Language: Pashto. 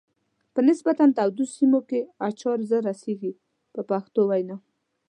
په نسبتا تودو سیمو کې اچار زر رسیږي په پښتو وینا.